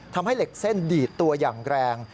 ทำให้เหล็กเส้นดีดตัวอย่างแรง